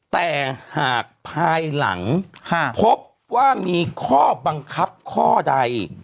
แต่หากภายหลังพบว่ามีข้อบังคับข้อใด